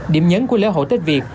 điểm nhấn của lễ hội tết việt